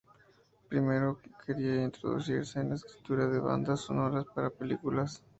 Primero quería introducirse en la escritura de bandas sonoras para películas.